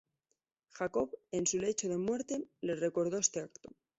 Jacob, en su lecho de muerte le recordó este acto.